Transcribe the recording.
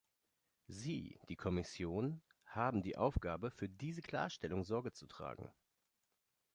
Sie, die Kommission, haben die Aufgabe, für diese Klarstellung Sorge zu tragen.